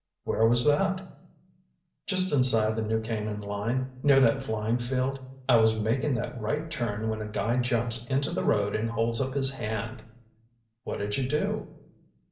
"Where was that?" "Just inside the New Canaan line, near that flying field. I was makin' that right turn when a guy jumps into the road and holds up his hand." "What did you do?"